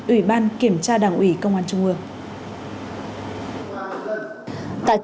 ủy ban kiểm tra đảng ủy công an trung ương